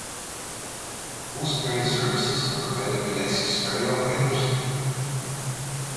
Most ferry services are provided by licensed ferry operators.